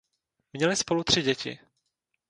Měli spolu tři děti.